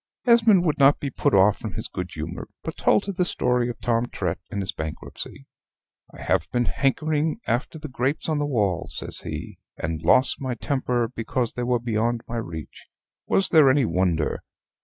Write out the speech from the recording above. Esmond would not be put off from his good humor, but told her the story of Tom Trett and his bankruptcy. "I have been hankering after the grapes on the wall," says he, "and lost my temper because they were beyond my reach; was there any wonder?